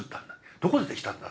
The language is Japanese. どこでできたんだ？